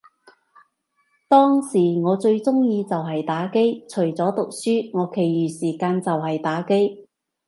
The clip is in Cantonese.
當時我最鍾意就係打機，除咗讀書，我其餘時間就係打機